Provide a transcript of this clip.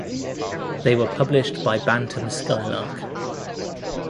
They were published by Bantam Skylark.